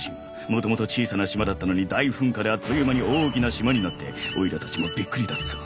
もともと小さな島だったのに大噴火であっという間に大きな島になってオイラたちもびっくりだっツォ。